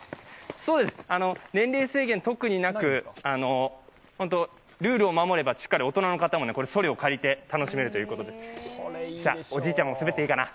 年齢制限は特になく、ルールを守ればしっかり大人の方もそりを借りて楽しめるということで、おじちゃんも滑っていいかな？